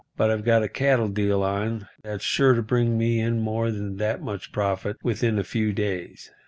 But I've got a cattle deal on that's sure to bring me in more than that much profit within a few days."